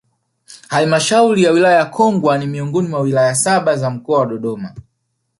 Halmashauriya Wilaya ya Kongwa ni miongoni mwa wilaya saba za mkoa wa Dodoma